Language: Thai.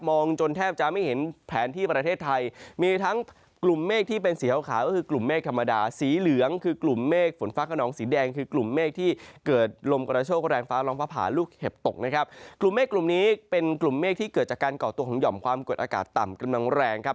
ของหย่อมความเกิดอากาศต่ำกำลังแรงครับ